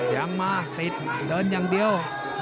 ยังมาติดเดินอย่างเดียว